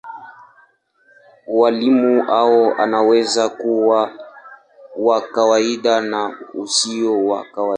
Ualimu huo unaweza kuwa wa kawaida na usio wa kawaida.